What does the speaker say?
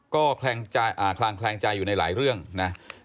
ก็คลางแคลงใจอยู่ในหลายเรื่องนะ